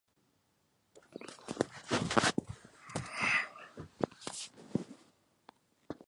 石沟寺的历史年代为明。